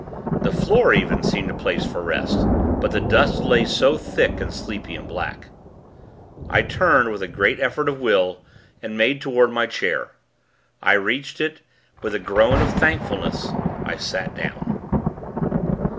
The floor, even, seemed a place for rest; but the dust lay so thick and sleepy and black. I turned, with a great effort of will, and made toward my chair. I reached it, with a groan of thankfulness. I sat down.